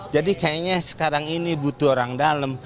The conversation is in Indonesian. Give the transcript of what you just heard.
jadi kayaknya sekarang ini butuh orang dalam